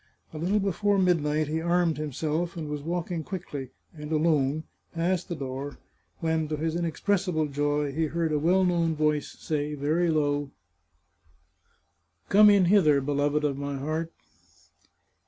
A little before midnight he armed himself, and was walking quickly, and alone, past the door, when to his inexpressible joy he heard a well known voice say very low :" Come in hither, beloved of my heart."